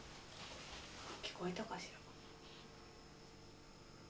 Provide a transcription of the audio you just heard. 聞こえたかしら？